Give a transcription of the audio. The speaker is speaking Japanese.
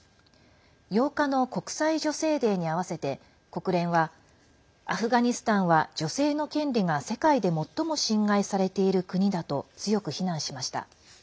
８日の国際女性デーに合わせて国連はアフガニスタンは女性の権利が世界で最も侵害されている国だと強く非難しました。